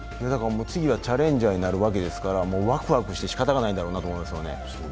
次はチャレンジャーになるわけですから、ワクワクして仕方がないんだろうと思いますね。